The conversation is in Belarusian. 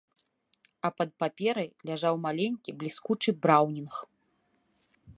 А пад паперай ляжаў маленькі бліскучы браўнінг.